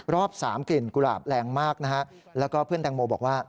รอบ๓กลิ่นกุหลาบแรงมากนะฮะแล้วก็เพื่อนแตงโมบอกว่า